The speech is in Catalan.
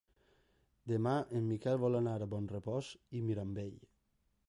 Demà en Miquel vol anar a Bonrepòs i Mirambell.